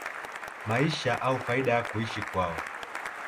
maisha au faida ya kuishi kwao